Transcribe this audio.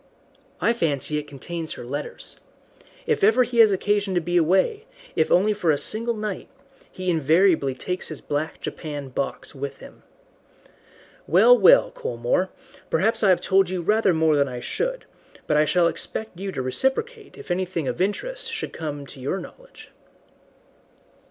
"I fancy it contains her letters. If ever he has occasion to be away, if only for a single night, he invariably takes his black japanned box with him. Well, well, Colmore, perhaps I have told you rather more than I should, but I shall expect you to reciprocate if anything of interest should come to your knowledge."